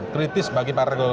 kritis bagi para golkar